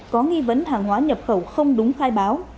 có nghi vấn hàng hóa nhập khẩu không đúng khai báo